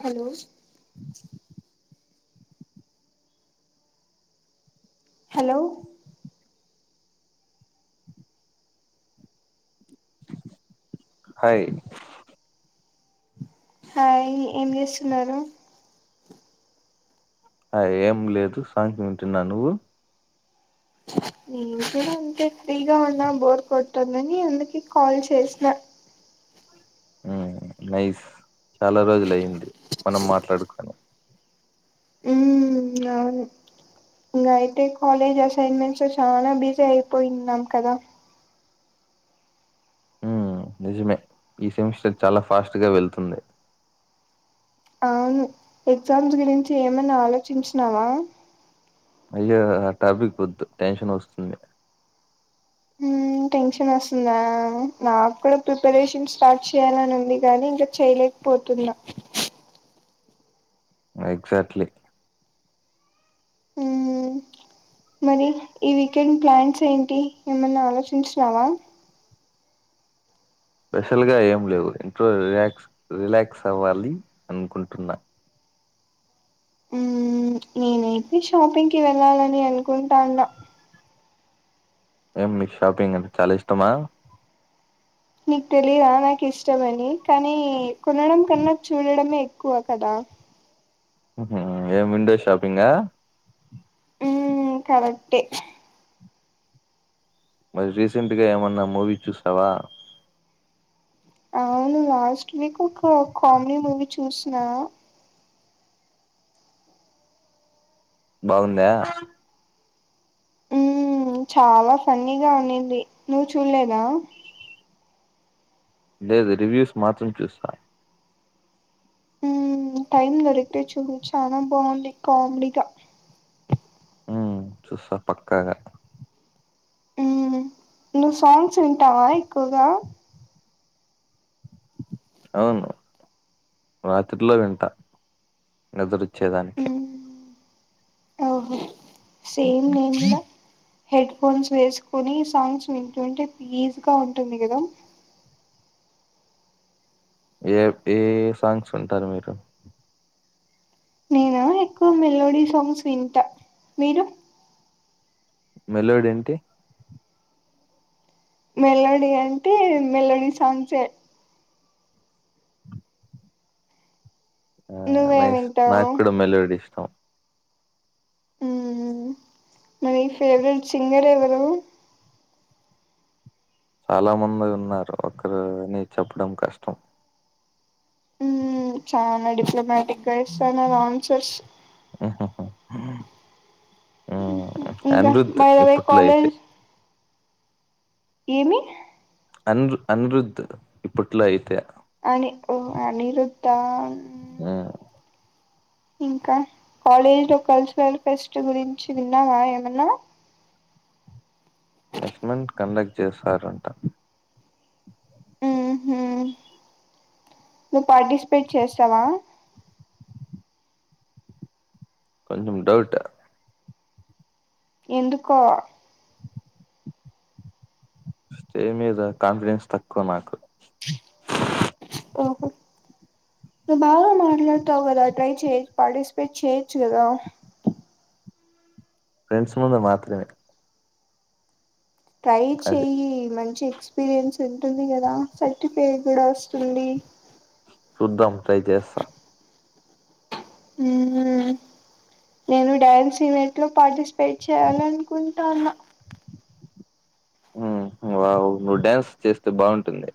Hello hello hi hi ఏం చేస్తున్నారు hi ఏం లేదు సాంగ్స్ వింటున్నా నువ్వు నేను కూడా అంతే ఫ్రీగా ఉన్నా బోర్ కొట్టందని అందుకె కాల్ చేసిన ఉమ్ నైస్ చాలా రోజుల అయింది మనం మాట్లాడుకుని ఊ అవును ఇంగ అయితే కాలేజ్ అసైన్మెంట్స్ చాలా బిజీ అయిపోయిన్నాం కదా ఉ నిజమే ఈ సెమిస్టర్ చాలా ఫాస్ట్గా వెళ్తుంది అవును ఎగ్జామ్స్ గురించి ఏమన ఆలోచించినావా అయ్యా ఆ టాపిక్ వొద్దు టెన్షన్ వస్తుంది ఉమ్ టెన్షన్ వస్తుందా నాకు కూడా ప్రిపరేషన్ స్టార్ట్ చేయ్యాలని ఉంది కానీ ఇంకా చెయలే పోతున్నా ఎగ్జాక్ట్లీ ఉమ్ మరి ఈ వీకెండ్ ప్లాన్స్ ఏంటి ఏమన్నా ఆలోచించినవా స్పెషల్ గా ఏం లేవు ఇంట్లో రిలాక్స్ రిలాక్స్ అవ్వాలి అనుకుంటున్నా మ్మ్ నేనైతే షాపింగ్ కి వెళ్ళాలని అనుకుంటాన్నా ఎం మీకు షాపింగ్ అంటే చాలా ఇష్టమా నీకు తెలిదా నాకు ఇష్టమని కానీ కొనడం కన్నా చూడడమే ఎక్కువ కదా ఏం విండో షాపింగా ఉ కరెక్టే మరి రీసెంట్గా ఏమన్నా మూవీ చూసావా అవును లాస్ట్ వీక్ ఒక కామెడీ మూవీ చూసిన బాగుందా మ్మ్ చాలా ఫన్నీగా ఉన్నింది నువ్ చూడలేదా లేదు రివ్యూస్ మాత్రం చూస్తా ఉ టైమ్ దొరికితే చూడు చాలా బాగుంది కామెడీగా ఉ చూస్తా పక్కాగా ఉ నువ్ సాంగ్స్ వింటావా ఎక్కువగా అవును రాత్రిలో వింటా నిదురోచ్చేదానికి మ్మ్ ఓహో సేమ్ నెన్గూడ హెడ్ ఫోన్స్ వేసుకొని సాంగ్స్ వింటుంటే పీస్గా ఉంటుంది కదా ఏ ఏ సాంగ్స్ వింటారు మీరు నేనా ఎక్కువ మెలోడీ సాంగ్స్ వింటా మీరు మెలోడి అంటే మెలోడీ అంటే మెలోడీ సాంగ్సే ఆ నువ్వేం నైస్ వింటావు నాకు కూడా మెలోడీ ఇష్టం ఉ మరి ఫేవరెట్ సింగర్ ఎవరు చాలా మంది ఉన్నారు ఒకరుని చెప్పడం కష్టం ఊ చానా డిప్లొమాటిక్గా ఇస్తాన్నారు ఆన్సర్స్ ఉ ఇంకా అనిరుద్ బై ద వే ఇప్పట్లో అయితే కాలేజ్ ఏమి అన్రు అనురుద్ద్ ఇప్పట్లో అయితె అని ఓ అనిరుద్దా హ్మ్. ఇంక కాలేజ్ లో కల్చరల్ ఫెస్ట్ గురించి విన్నావా ఏమన్నా లక్ష్మణ్ కండక్ట్ చేశారంట ఉహు నువ్వు పార్టిసిపేట్ చేస్తవా కొంచం డౌట్ ఎందుకో స్టేజ్ మీద కాన్ఫిడెన్స్ తక్కువ నాకు ఓహొ నువ్ బాగ మాట్లాడతావు కద ట్రై చేయ్ పార్టిసిపేట్ చేయ్యొచ్చు కదా ఫ్రెండ్స్ ముందు మాత్రమే ట్రై అది చెయ్యి మంచి ఎక్స్పీరియన్స్ ఉంటుంది కదా సర్టిఫేట్ కూడ అస్తుంది చూద్దాం ట్రై చేస్త ఉహు నేను డ్యాన్స్ యనెట్ లో పార్టిసిపేట్ చేయాల అనుకుంటాన్న ఆ వావ్ నువ్వు డ్యాన్స్ చేస్తే బాగుంటుంది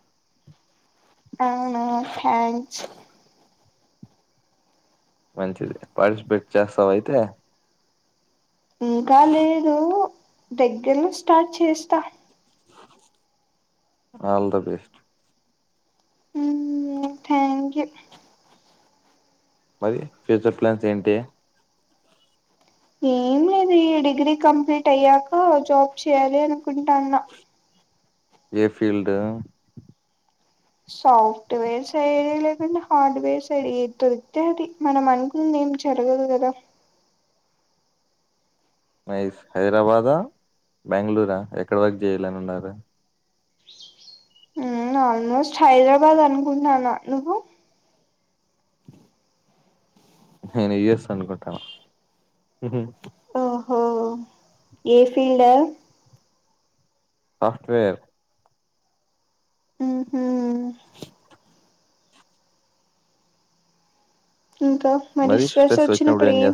అవునా థ్యాంక్స్ మంచిది పార్టిసిపేట్ చేస్తవ అయితే ఇంకా లేదు దగ్గరను స్టార్ట్ చేస్త ఆల్ ద బెస్ట్ ఏనికి మరి ఫ్యూచర్ ప్లాన్స్ ఏంటి ఏం లేదు ఈ డిగ్రీ కంప్లీట్ అయ్యాక జాబ్ చేయాలి అనుకుంటాన్న ఏ ఫీల్డ్ సాఫ్ట్ వేర్స్ సైడ్ లేకుండ హార్డ్వేర్స్ సైడ్ ఏద్ దొరితే అది మనం అనుకుంది ఏం జరగదు కద నైస్ హైదరాబాద బెంగళూర ఎక్కడ వరకు చేయ్యాలని ఉన్నారు ఉమ్ ఆల్మోస్ట్ హైదరాబాద్ అనుకుంటాన్న నువ్వు నేను యు. ఎస్ అనుకుంటాన ఉహు ఓహో ఏ ఫీల్డ్ అ సఫ్ట్వేర్ ఉ హుమ్ ఇంక మరి స్ట్రెస్ వచ్చినప్పుడు ఏం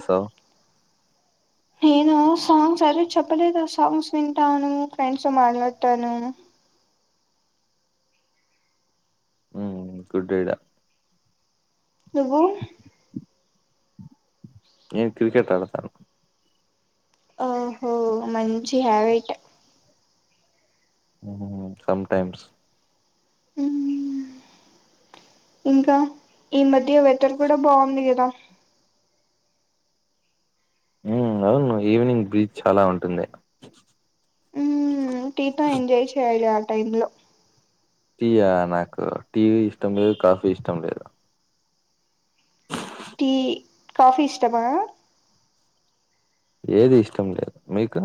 నేను సాంగ్స్ అదే చెప్పలేదు ఆ సాంగ్స్ వింటాను ఫ్రెండ్స్ మాట్లాడతాను ఉమ్ గుడ్ ఐడియ నువ్వు నేను క్రికెట్ ఆడతాను ఓహో మంచిగ హవైట్ ఉహ్మ్ సమ్ టైమ్స్ ఇంక ఈ మధ్య వెతర్ కూడ బాగుంది కద ఉమ్ అవును ఈవినింగ్ బీజ్ చాల ఉంటుంది ఉమ్ టీ తో ఎంజాయ్ చేయాల ఆ టైమ్ లో ఇగ నాకు టీ ఇష్టం లేదు కాఫీ ఇష్టం లేదు టీ కాఫీ ఇష్టమా ఏది ఇష్టం లేదు మీకు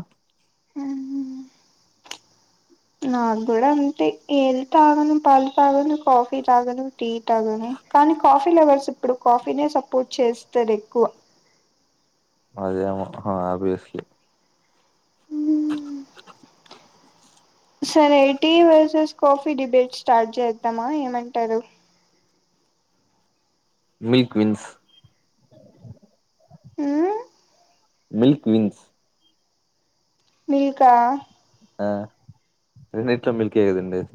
నాకు కూడా అంతే ఏం తాగను పాలు తాగను కాఫీ తాగను టీ తాగను కానీ కాఫీ లెవర్స్ ఇప్పుడు కాఫీనే సపోర్ట్ చేస్తారు ఎక్కువ అదేమ ఆబ్వియస్లీ సర ఎయిటీ వర్సెస్ కాఫీ డిబేట్ స్టార్ట్ చేద్దామా ఏమంటారు మిల్క్ విన్స్ మ్మ్ మిల్క్ విన్స్ మీల్కా ఆ రెండిట్లో మిల్కె కదండి అది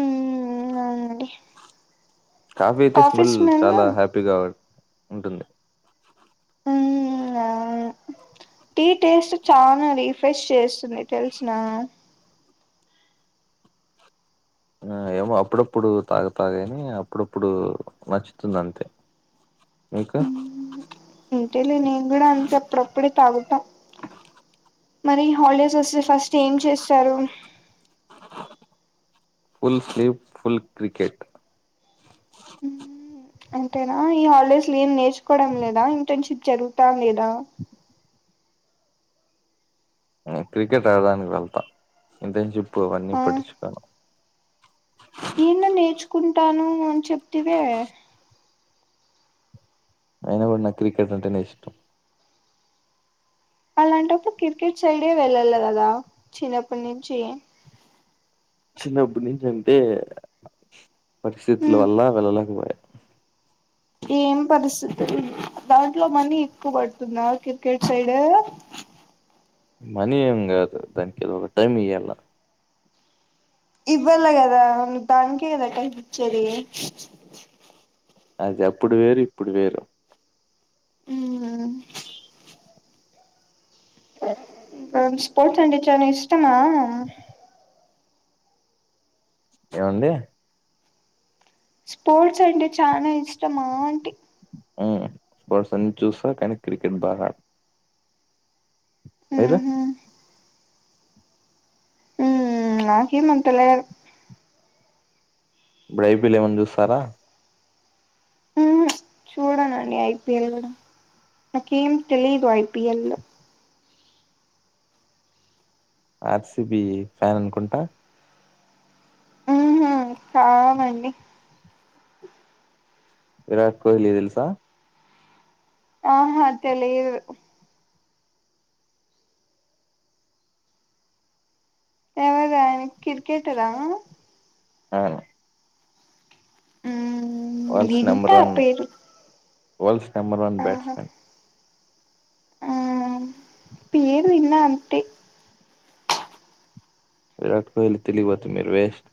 మ్మ్ అవునండి కాఫీ అయితే స్మెల్ చాలా హ్యాపీగా ఉంటుంది మ్మ్ అవును టీ టేస్ట్ చనా రీఫ్రెష్ చేస్తుంది తెలిసిన ఆ ఏమో అప్పుడప్పుడు తాగ తాగాని అప్పుడప్పుడు నచ్చుతుంది అంతే ఇంకా ఉంటేలే నేను కూడా అంతే అప్పుడప్పుడే తాగుతాం మరి హాలిడేస్ వస్తే ఫస్ట్ ఏం చేస్తారు ఫుల్ స్లీప్ ఫుల్ క్రికెట్ అంటేనా ఈ హాలిడేస్ లో ఏం నేర్చుకోవడం లేదా ఇంటర్న్షిప్ జరుగుతా లేదా క్రికెట్ ఆడడానికి వెళ్తాం ఇంటర్న్షిప్ అవన్నీ ఆ పట్టించుకోం ఓం చెప్తివే అయిన పడిన్న క్రికె అంటేనే ఇష్టం అలాంటప్పుడు క్రికెట్ సైడే వెళ్ళాల కదా చిన్నప్పటి నుంచి చిన్నప్పటి నుంచి అంటే పరిస్థితుల హ్మ్ వల్ల వెళ్ళలేకపోయాయి ఏం పరిస్థితి దాంట్లో మనీ ఎక్కువ పడుతుందా క్రికెట్ సైడ్ మనీ ఏం కద్ దానికి ఒక టైమ్ ఈయల ఇవ్వాల కదా దానికే కదా టైమ్ ఇచ్చేది అది అప్పుడు వేరు ఇప్పుడు వేరు ఉ స్పోర్ట్స్ అండ్ అంటే చానా ఇష్టమా ఏముంది స్పోర్ట్స్ అంటే చాల ఇష్టం ఆంటి స్పోర్ట్స్ అన్ని చూస్తా కానీ క్రికెట్ బాగా మీరు ఉహు ఉ నాకేం అంతేలే ఇప్పుడు ఐపీఎల్ ఏమనా చూస్తారా ఉహు చూడనండి ఐపీఎల్ నాకేం తెలిదు ఐపీఎల్ ఆర్సిబి ఫ్యాన్ అనుకుంటా ఉ కదండి విరాట్ కోహ్లీ తెల్సా ఆహా తెలీదు ఎవరు ఆయన క్రికెటరా అవును ఉ వింట పేరు వర్ల్డ్స్ నెంబర్ వన్ ఆహా బ్యాట్స్మెన్ ఆ పేరు విన్న అంతే విరాట్ కోహ్లీ తెలిపోతే మీరు బెస్ట్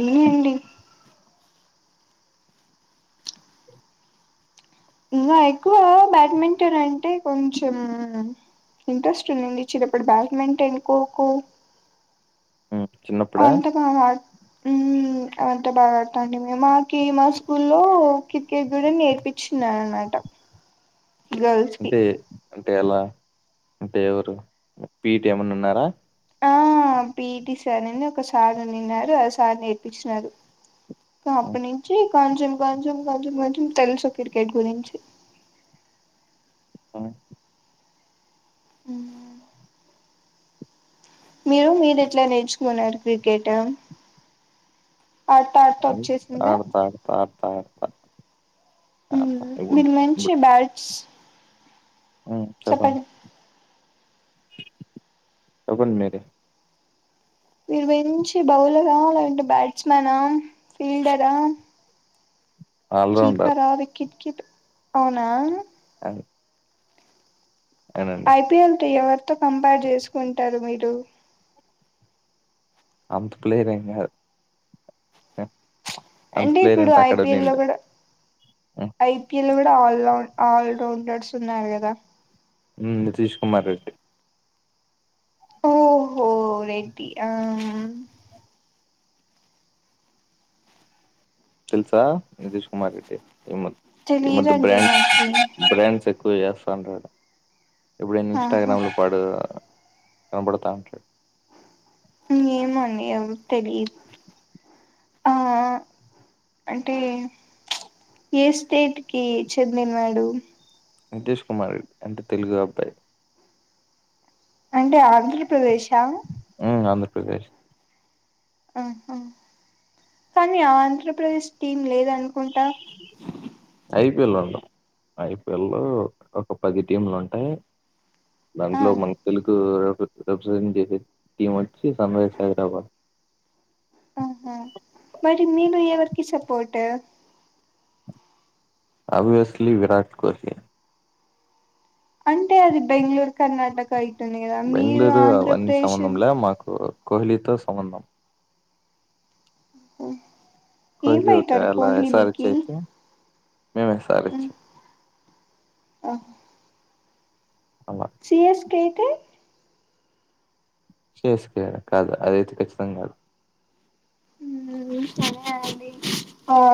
ఏ అండి ఇంకా ఎక్కువ బ్యాడ్మింటన్ అంటే కొంచెం ఇంట్రెస్ట్ ఉందండి చిరప్పుడు బ్యాడ్మింటన్ కోకో చిన్నప్పుడా అంటే మా వాడు ఉహు అంతా బాగా ఆడతాండి మేము మాకి మా స్కూల్లో క్రికెట్ కూడా నేర్పించిన అనమాట గర్ల్స్ కి అంటే అంటే ఎలా ఏ ఊరు పిటి ఏమన్నా ఉన్నారా ఆ పిటి సార్ అని ఒక సార్ నిన్నారు ఆ సార్ నేర్పించిన ఇంకా అప్పటినుంచి కొంచెం కొంచెం కొంచెం కొంచెం తెలుసు క్రికెట్ గురించి ఉ ఉఉ మీరు మీరు ఎట్లా నేర్చుకున్నారు క్రికెట్ ఆడతా ఆడతా వచ్చేసిందా తాత మీరు మంచి బ్యాట్స్ చెప్పండి ఎవరు మీరు వీరు మంచి బౌలరా లేలాంటే బ్యాట్స్మనా ఫీల్డరా ఆల్రౌండర్ కీపర్ ఆ వికెట్ అవునా అవునండి ఐపీఎల్ తో ఎవరితో కంపేర్ చేసుకుంటారు మీరు అంత ప్లేయర్ ఏం కాదు అంత అంటే ప్లేయర్ ఇప్పుడు అక్కడ ఐపీఎల్ లో నిండు కూడా ఐపీఎల్ లో కూడా ఆల ఆల్ రౌండ్ రౌండర్స్ ఉన్నారు కదా ఉ నితీష్ కుమార్ రెడ్డి ఓహో రెడ్డి ఆ తెల్సా నితీష్ కుమార్ రెడ్డి ఈ మద్య తెలియదండి నాకి బడ్ బండ్స్ ఎ ఇప్పుడు ఇస్తాను రా ఎప్పుడ ఆహా ఇంస్టాగ్రామ్ లో పాడు కనబడుతడు ఏమో అండి అంత తెలియదు ఆ ఆ అంటే ఏ స్టేట్ కి చెందినాడు నితీష్ కుమార్ రెడ్డి అంటే తెలుగు అబ్బాయి అంటే ఆంధ్రప్రదేశ్ ఆ ప్రకాశం ఆ ఆ కానీ ఆంధ్రప్రదేశ్ టీం లేదనుకుంటా ఐపీఎల్ ఉండవ్ ఐపిఎల్ల్లో ఒక పది టీంలు ఉంటాయి ఆ దాంట్లో మనకు తెలుగు రేపు సండే చేసే టీం వచ్చి సన్ రైజ్ హైదరాబాద్ ఆహా మరి మీను ఎవర్కి సపోట్ ఆబియస్లీ విరాట్ కోహ్లీ అంటే అది బెంగళూర్ కర్నాటకయి బెంగళూరు అవన్నీ సంబంధంలే మాకు కోహ్లీతో సంబంధం ఉ ఏం కోహ్లీ అయితడు ఒకవేళ కోహ్లీ మీకి మేం ఎస్ ఆర్ హెచ్ ఆ అలా సి ఎస్ కే అయితే సి ఎస్ కే కాదు అదయితే ఖచ్చితంగా కాదు ఉఉ సరే ఆడి ఆ